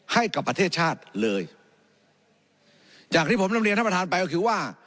ให้กับประเทศชาติเลยอย่างที่ผมนำเรียนท่านประธานไปก็คือว่า